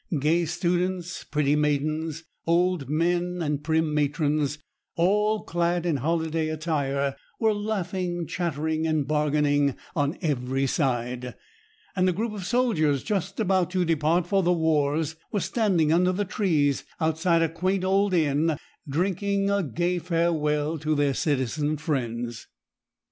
Gay students, pretty maidens, old men, and prim matrons, all clad in holiday attire, were laughing, chattering, and bargaining on every side; and a group of soldiers, just about to depart for the wars, were standing under the trees outside a quaint old inn, drinking a gay farewell to their citizen friends.